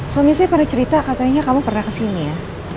suami saya pada cerita katanya kamu pernah kesini ya